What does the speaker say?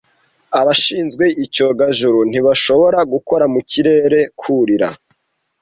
Abashinzwe icyogajuru ntibashobora gukora mu kirere Kurira